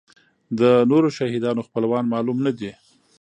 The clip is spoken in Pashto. د نورو شهیدانو خپلوان معلوم نه دي.